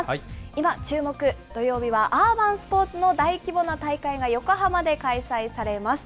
今、注目、土曜日はアーバンスポーツの大規模な大会が、横浜で開催されます。